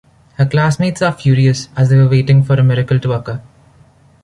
Her classmates are furious as they were waiting for a miracle to occur.